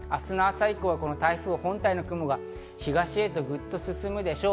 明日の朝以降は台風本体の雲が東へとぐっと進むでしょう。